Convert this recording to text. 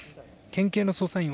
県警の捜査員